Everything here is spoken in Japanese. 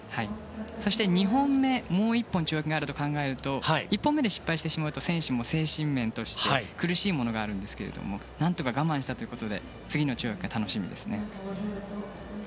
そして２本目もう１本、跳躍があると考えると１本目で失敗してしまうも選手も精神面として苦しいものがありますが何とか我慢したということで次の跳躍が楽しみですね。